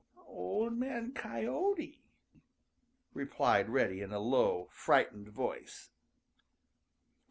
"Old Man Coyote," replied Reddy in a low, frightened voice.